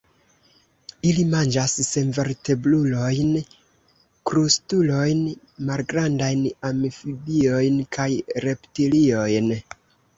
Ili manĝas senvertebrulojn, krustulojn, malgrandajn amfibiojn kaj reptiliojn.